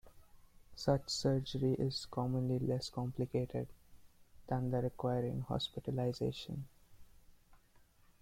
Such surgery is commonly less complicated than that requiring hospitalization.